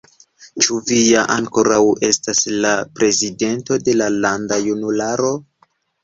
Ĉu vi ja ankoraŭ estas la prezidento de la landa junularo?